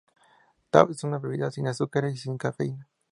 Tab es una bebida sin azúcares y sin cafeína.